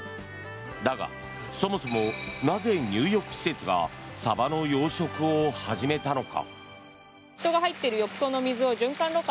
だが、そもそも、なぜ入浴施設がサバの養殖を始めたのか。